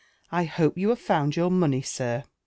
I hope you have found your money. Sir?